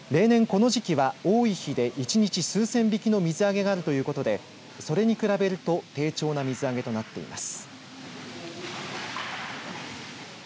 ただ例年この時期は多い日で１日数千匹の水揚げがあるということでそれに比べると低調な水揚げとなっています。